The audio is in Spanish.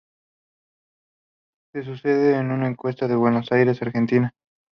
Su sede se encuentra en Buenos Aires, Argentina.